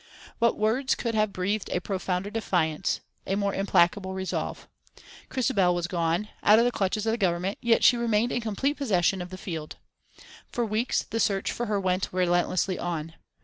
What words could have breathed a prouder defiance, a more implacable resolve? Christabel was gone, out of the clutches of the Government, yet she remained in complete possession of the field. For weeks the search for her went relentlessly on.